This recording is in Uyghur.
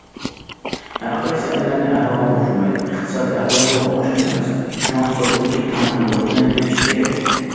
ھەرقايسى ئەللەرنىڭ ئەھۋالى ئوخشىمايدۇ، ئىقتىسادىي ئەھۋالىمۇ ئوخشاش ئەمەس، شۇڭا، سودىدىكى تەڭپۇڭ نۇقتىنى تېپىش كېرەك.